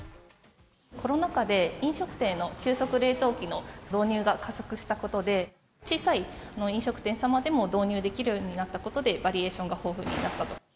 コロナ禍で飲食店の急速冷凍機の導入が加速したことで、小さい飲食店様でも導入できるようになったことで、バリエーションが豊富になったと。